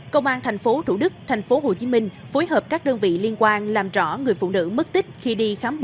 công an tp thủ đức tp hcm phối hợp các đơn vị liên quan làm rõ người phụ nữ mất tích